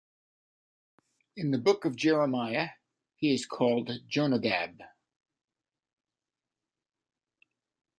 In the Book of Jeremiah he is called Jonadab.